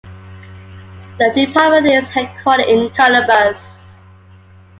The department is headquartered in Columbus.